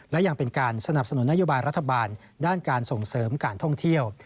และยังเป็นการสนับสนุนนโยบายรัฐบาลด้านการส่งเสริมการท่องเที่ยว